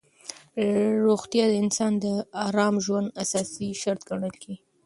روغتیا د انسان د ارام ژوند اساسي شرط ګڼل کېږي.